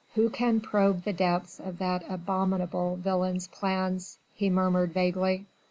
"Who can probe the depths of that abominable villain's plans?" he murmured vaguely.